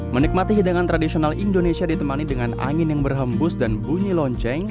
menikmati hidangan tradisional indonesia ditemani dengan angin yang berhembus dan bunyi lonceng